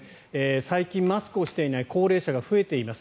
最近マスクをしていない高齢者が増えています。